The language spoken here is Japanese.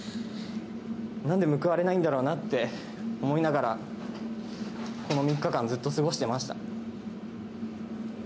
なんで報われないんだろうなって思いながら、この３日間、ずっと過ごしてました。